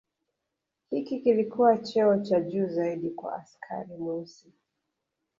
Hiki kilikua cheo cha juu zaidi kwa askari Mweusi